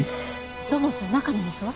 土門さん中の様子は？